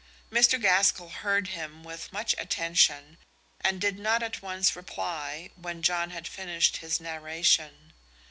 Mr. Gaskell heard him with much attention, and did not at once reply when John had finished his narration.